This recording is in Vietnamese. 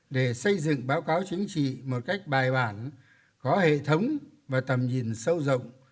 để xây dựng báo cáo chính trị một cách bài bản có hệ thống và tầm nhìn sâu rộng